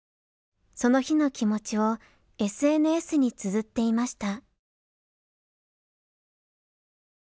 その日の気持ちをＳＮＳにつづっていました。